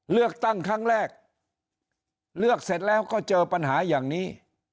เลือกตั้งครั้งแรกเลือกเสร็จแล้วก็เจอปัญหาอย่างนี้